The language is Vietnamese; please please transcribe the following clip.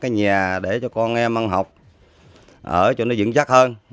nhà để cho con em ăn học ở chỗ nó dính chắc hơn